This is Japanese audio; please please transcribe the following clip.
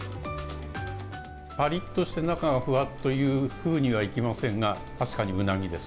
ぱりっとして中がふわっとというふうにはいきませんが、確かにうなぎです。